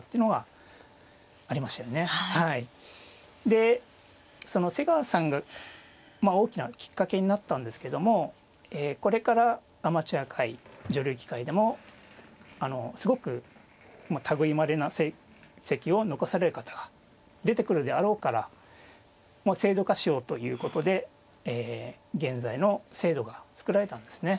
でその瀬川さんが大きなきっかけになったんですけどもこれからアマチュア界女流棋界でもすごく類いまれな成績を残される方が出てくるであろうから制度化しようということで現在の制度が作られたんですね。